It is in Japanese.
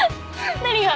何が？